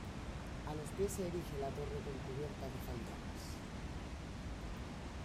A los pies se erige la torre con cubierta de faldones.